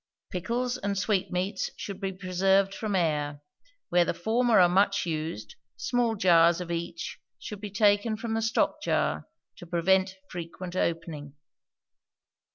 Pickles and sweetmeats should be preserved from air: where the former are much used, small jars of each should be taken from the stock jar, to prevent frequent opening.